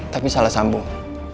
tapi salah sambung